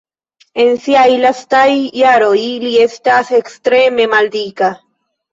En siaj lastaj jaroj li estas ekstreme maldika.